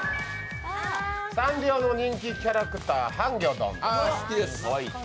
サンリオの人気キャラクター、ハンギョドン。